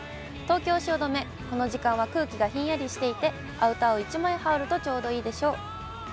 東京・汐留、この時間は空気がひんやりしていて、アウターを１枚羽織るとちょうどいいでしょう。